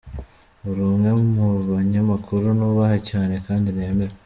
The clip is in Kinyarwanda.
Uri umwe mu banyamakuru nubaha Cyanee kandi nemera .